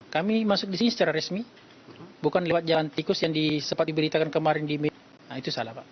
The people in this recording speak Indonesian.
kami masuk di sini secara resmi bukan lewat jalan tikus yang sempat diberitakan kemarin di media nah itu salah pak